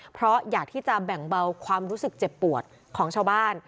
เพราะอยากที่จะแบ่งเบาความรู้สึกเจ็บปวดของชาวบ้าน